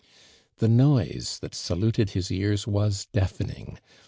The noise that saluted his ears was deaf ening.